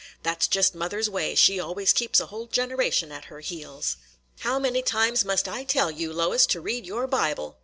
That 's just mother's way; she always keeps a whole generation at her heels." "How many times must I tell you, Lois, to read your Bible?"